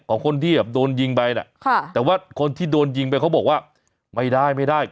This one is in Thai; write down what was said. ของคนที่แบบโดนยิงไปน่ะค่ะแต่ว่าคนที่โดนยิงไปเขาบอกว่าไม่ได้ไม่ได้